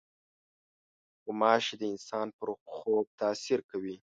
غوماشې د انسان پر خوب تاثیر کوي.